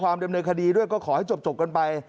ความเดิมเนยคดีด้วยก็ขอให้จบกันไป